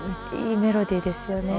いいメロディーですよね。